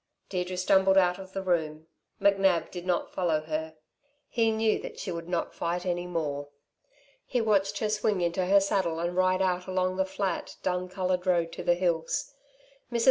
Deirdre stumbled out of the room. McNab did not follow her. He knew that she would not fight any more. He watched her swing into her saddle and ride out along the flat, dun coloured road to the hills. Mrs.